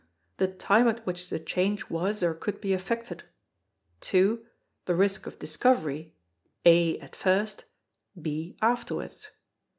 The time at which the change was or could be affected. 2. The risk of discovery, (a) at first, (b) afterwards.